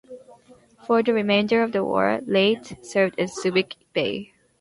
For the remainder of the War, "Leyte" served in Subic Bay.